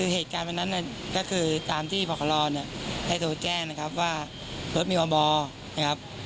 เหตุการณ์วันนั้นก็คือตามที่พลลได้โรแจ้งว่ารถมีวัมบอ